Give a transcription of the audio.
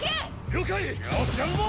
「了解」「よしやるぞ！」